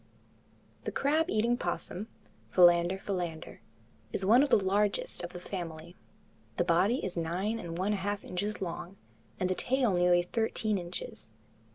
The crab eating opossum (Philander philander) is one of the largest of the family. The body is nine and one half inches long, and the tail nearly thirteen inches.